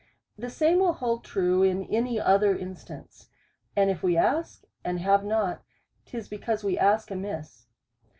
The same will hold true, in any other instance. And if we ask, and have not, it is because we ask amiss.